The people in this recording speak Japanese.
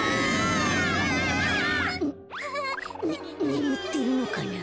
ねむってるのかな。